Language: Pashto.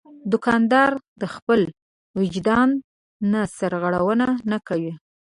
دوکاندار د خپل وجدان نه سرغړونه نه کوي.